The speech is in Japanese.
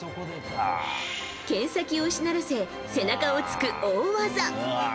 剣先をしならせ背中を突く大技。